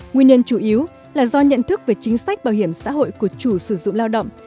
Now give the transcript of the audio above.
nguyên nhân chủ yếu là do nhận thức về chính sách bảo hiểm xã hội của chủ sử dụng lao động